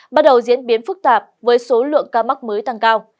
bắt đầu diễn biến phức tạp với số lượng ca mắc mới tăng cao